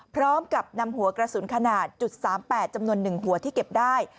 พร้อมกับนำหัวกระสุนขนาด๓๘จำนวน๑หัวที่เก็บได้